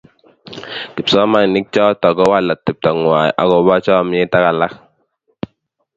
Kipsomanik chotok ko kowal atepto ngwai akobo chomiet ak alak